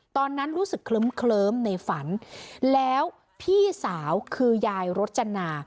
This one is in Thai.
ตอนนั้นรู้สึกเคลิ้มในฝันแล้วพี่สาวคือยายรจนา